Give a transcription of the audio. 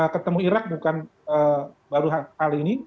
ketemu irak bukan baru hal ini